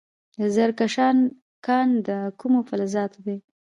د زرکشان کان د کومو فلزاتو دی؟